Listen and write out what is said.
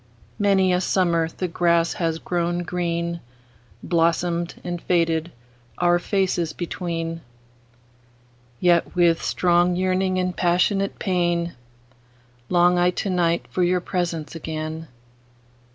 Many a summer the grass has grown green, Blossomed and faded, our faces between:Yet, with strong yearning and passionate pain, Long I to night for your presence again.